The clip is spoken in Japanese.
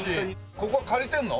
ここは借りてるの？